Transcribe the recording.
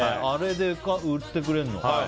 あれで売ってくれるの。